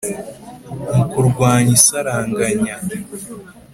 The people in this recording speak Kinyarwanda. mu kurwanya isaranganya